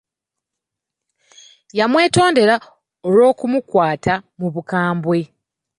Yamwetondera olw'okumukwata mu bukambwe.